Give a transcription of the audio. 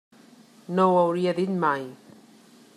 No ho hauria dit mai.